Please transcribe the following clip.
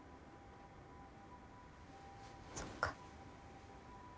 そっか。